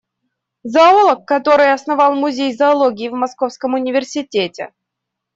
Зоолог, который основал музей зоологии в Московском университете.